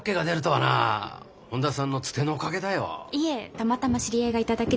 たまたま知り合いがいただけです。